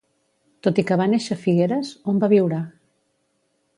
Tot i que va néixer a Figueres, on va viure?